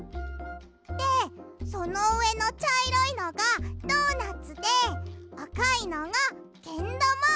でそのうえのちゃいろいのがドーナツであかいのがけんだま。